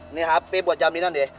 ini hp buat jaminan deh